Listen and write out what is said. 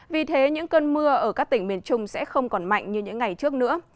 vì thế những cơn mưa ở các tỉnh miền trung sẽ không còn mạnh như những ngày trước nữa